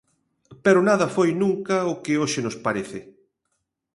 Pero nada foi nunca o que hoxe nos parece.